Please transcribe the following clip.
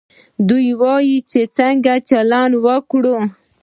دوی وايي چې څنګه چلند وکړو.